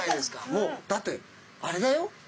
もうだってあれだよ。